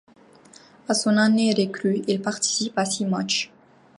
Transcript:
À son année recrue, il participe à six matchs.